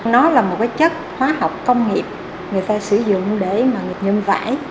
nó là một cái chất khoa học công nghiệp người ta sử dụng để mà nghiệp nhâm vải